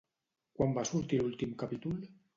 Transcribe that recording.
Quan va sortir l'últim capítol?